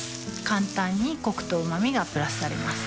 簡単にコクとうま味がプラスされます